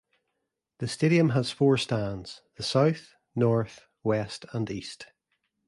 The stadium has four stands: the south, north, west and east.